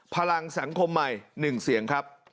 พลังสังคมใหม่๑เสียง